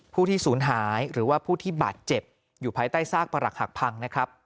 ผู้ที่ศูนย์หายหรือว่าผู้ที่บาดเจ็บอยู่ภายใต้ซากประหลักหักพังนะครับ